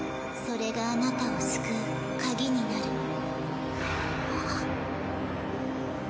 それがあなたを救うカギになる。